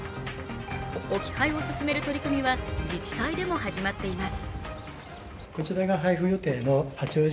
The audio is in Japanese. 置き配を進める取り組みは自治体でも始まっています。